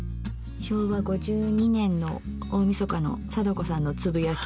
昭和５２年の大みそかの貞子さんのつぶやき。